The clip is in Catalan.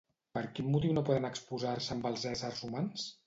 Per quin motiu no poden esposar-se amb els éssers humans?